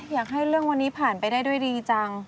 อยากให้เรื่องวันนี้ผ่านไปได้ด้วยดีจัง